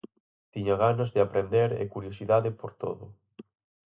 Tiña ganas de aprender e curiosidade por todo.